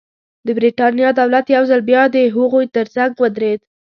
د برېټانیا دولت یو ځل بیا د هغوی ترڅنګ ودرېد.